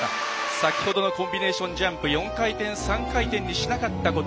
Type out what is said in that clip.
先ほどのこのコンビネーションジャンプ４回転、３回転にしなかったこと。